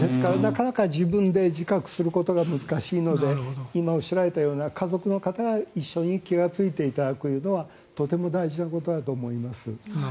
ですから、なかなか自分で自覚することが難しいので今おっしゃられたような家族の方が気がついていただくことは大事だと思います。